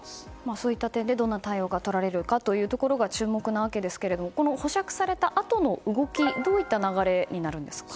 そういった点でどんな対応がとられるか注目なわけですけれども保釈されたあとの動きどういった流れになるんですか？